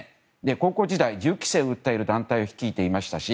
高校時代、銃規制を訴える団体を率いていましたし